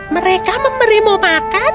mereka memberimu makan